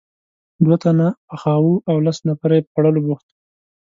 دوه تنه پخاوه او لس نفره یې په خوړلو بوخت وو.